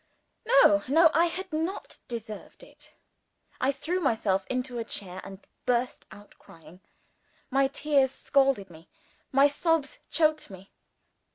no! I had not deserved it. I threw myself into a chair, and burst out crying. My tears scalded me; my sobs choked me.